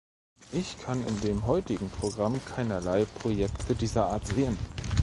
Ich kann in dem heutigen Programm keinerlei Projekte dieser Art sehen.